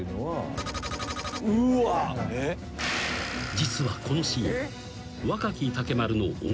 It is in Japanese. ［実はこのシーン］